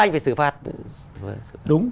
anh phải xử phạt đúng